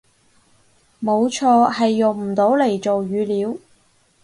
冇錯，係用唔到嚟做語料